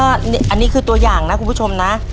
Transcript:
อันนี้คือตัวอย่างนะคุณผู้ชมนะ